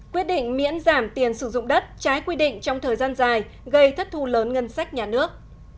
quyết định miễn giảm tiền sử dụng đất trái quy định trong thời gian dài gây thất thu lớn ngân sách nhà nước